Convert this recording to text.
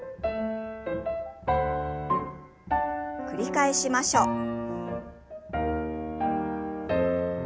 繰り返しましょう。